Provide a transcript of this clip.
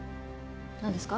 何ですか？